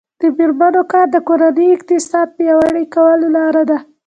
د میرمنو کار د کورنۍ اقتصاد پیاوړی کولو لاره ده.